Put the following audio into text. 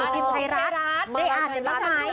อ๋อไทรัฐได้อ่านไทรัฐไหม